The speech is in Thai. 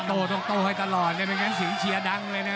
โต้ต้องโต้ให้ตลอดไม่งั้นเสียงเชียร์ดังเลยนะ